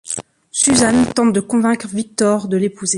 Suzanne tente de convaincre Victor de l'épouser.